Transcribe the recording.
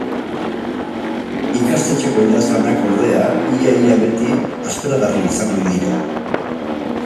Ikastetxeko idazlanak, ordea, ia-ia beti aspergarri izan ohi dira.